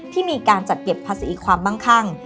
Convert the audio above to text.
ที่มีการจัดเก็บภาษีความมั่งคั่ง